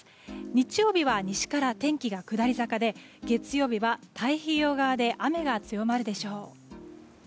日曜日は、西から天気が下り坂で月曜日は太平洋側で雨が強まるでしょう。